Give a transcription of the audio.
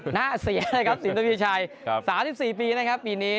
หน้าเสียเลยครับสินทวีชัย๓๔ปีนะครับปีนี้